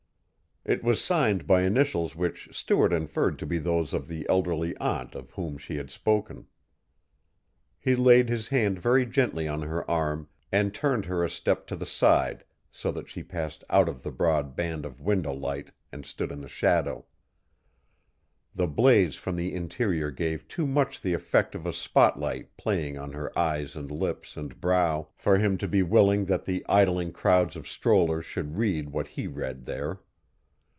It was signed by initials which Stuart inferred to be those of the elderly aunt of whom she spoken. He laid his hand very gently on her arm and turned her a step to the side so that she passed out of the broad band of window light and stood in the shadow. The blaze from the interior gave too much the effect of a spotlight playing on her eyes and lips and brow, for him to be willing that the idling crowds of strollers should read what he read there.